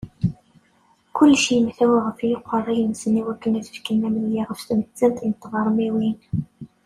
Kulci yemtawa ɣef yiqerra-nsen iwakken ad fken amedya ɣef tmettant n tɣermiwin.